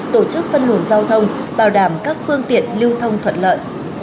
tổ chức phân luồng giao thông bảo đảm các phương tiện lưu thông thuận lợi